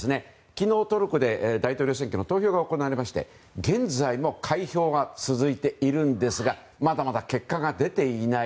昨日、トルコで大統領選挙の投票が行われまして現在も開票が続いているんですがまだまだ結果が出ていない。